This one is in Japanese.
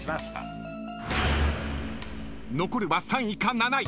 ［残るは３位か７位。